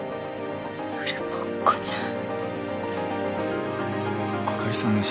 フルボッコじゃん。